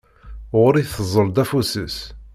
Ɣur-i teẓẓel-d afus-is.